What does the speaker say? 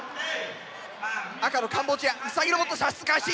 赤のカンボジアウサギロボット射出開始！